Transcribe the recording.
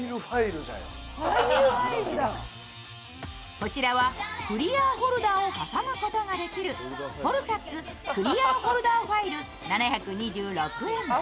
こちらはクリアホルダーを挟むことができるホルサッククリアホルダーファイル７２６円。